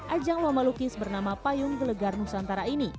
ajang lomba lukis bernama payung gelegar nusantara ini